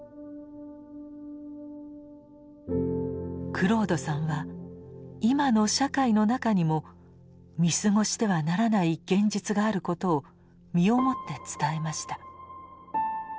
クロードさんは今の社会の中にも見過ごしてはならない現実があることを身をもって伝えました。